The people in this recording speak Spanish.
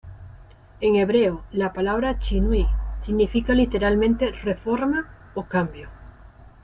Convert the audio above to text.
En hebreo, la palabra Shinui significa literalmente "reforma" o "cambio".